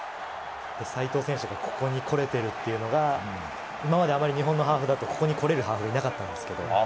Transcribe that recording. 齋藤選手がここに来れてるっていうのが、今まであまり日本のハーフだと、ここに来れるハーフがいなかったんですけど。